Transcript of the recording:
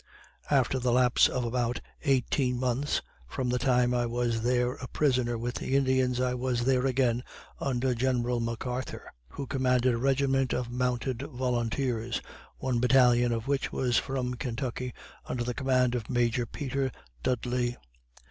After the lapse of about eighteen months, from the time I was there a prisoner with the Indians, I was there again under General McArthur, who commanded a regiment of mounted volunteers one battalion of which was from Kentucky, under the command of Major Peter Dudley.